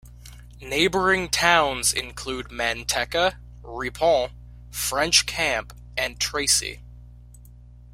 Neighboring towns include Manteca, Ripon, French Camp, and Tracy.